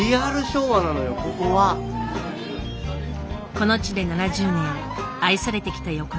この地で７０年愛されてきた横丁。